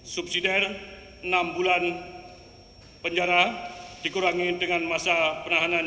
subsidi enam bulan penjara dikurangi dengan masa penahanan